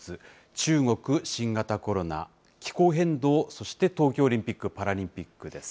中国、新型コロナ、気候変動、そして東京オリンピック・パラリンピックです。